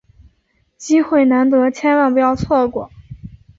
机会难得，千万不要错过！